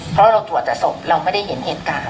เพราะเราตรวจแต่ศพเราไม่ได้เห็นเหตุการณ์